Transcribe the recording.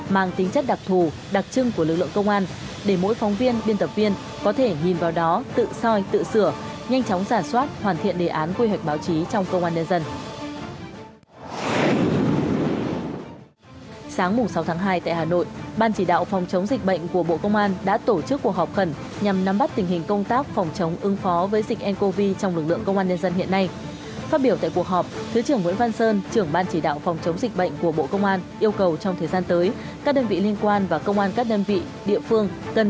mang tính chất đặc thù đặc trưng của lực lượng công an để mỗi phóng viên biên tập viên có thể nhìn vào đó tự soi tự sửa nhanh chóng giả soát hoàn thiện đề án quy hoạch báo chí trong công an nhân dân